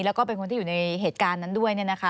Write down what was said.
แล้วก็เป็นคนที่อยู่ในเหตุการณ์นั้นด้วย